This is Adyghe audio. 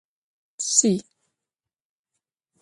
Шъий.